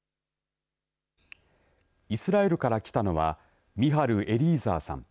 イスラエルから来たのはミハル・エリーザーさん